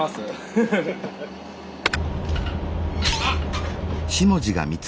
あっ！